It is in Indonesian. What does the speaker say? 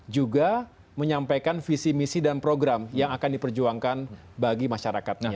juga menyampaikan visi misi dan program yang akan diperjuangkan bagi masyarakatnya